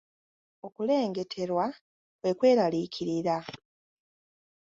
Okulengeterwa kwe kweraliikirira.